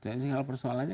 jadi hal persoalannya